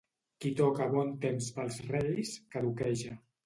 Qui toca a bon temps pels Reis, caduqueja.